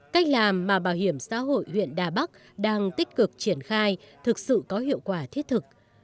cách làm mà bảo hiểm xã hội huyện đà bắc đang tích cực triển khai thực sự có hiệu quả thiết thực